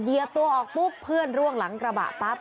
เหยียบตัวออกปุ๊บเพื่อนร่วงหลังกระบะปั๊บ